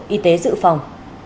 y tế dự phòng